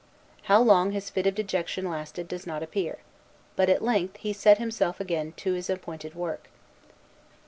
How long his fit of dejection lasted does not appear; but at length he set himself again to his appointed work.